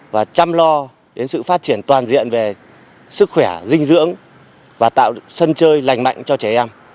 và chăm lo đến sự phát triển toàn diện về sức khỏe dinh dưỡng và tạo sân chơi lành mạnh cho trẻ em